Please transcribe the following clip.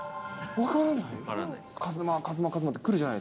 分からない？